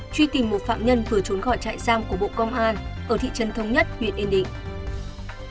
truy tìm một phạm nhân vừa trốn khỏi trại giam của bộ công an ở thị trấn thống nhất huyện yên định